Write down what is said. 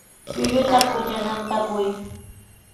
Llulluta pukllananta quy.